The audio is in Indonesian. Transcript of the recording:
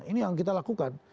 ini yang kita lakukan